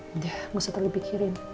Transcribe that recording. udah gak usah terlalu pikirin